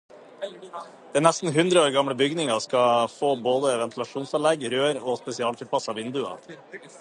Den nesten hundre år gamle bygningen skal få både ventilasjonsanlegg, rør og spesialtilpassede vinduer.